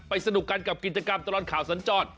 สนุกกันกับกิจกรรมตลอดข่าวสัญจร